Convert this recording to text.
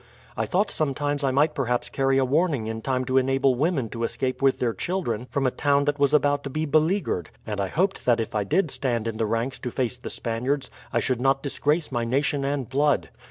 I thought sometimes I might perhaps carry a warning in time to enable women to escape with their children from a town that was about to be beleaguered, and I hoped that if I did stand in the ranks to face the Spaniards I should not disgrace my nation and blood.